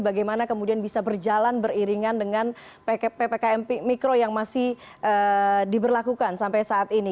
bagaimana kemudian bisa berjalan beriringan dengan ppkm mikro yang masih diberlakukan sampai saat ini